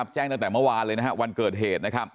แจ้งตั้งแต่เมื่อวานเลยวันเกิดเหตุ